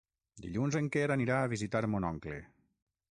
Dilluns en Quer anirà a visitar mon oncle.